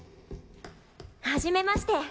はじめまして。